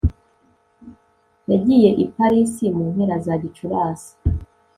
yagiye i paris mu mpera za gicurasi